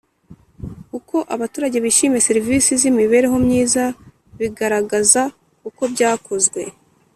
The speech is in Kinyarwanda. Uko abaturage bishimiye serivisi z imibereho myiza bigaragaza uko byakozwe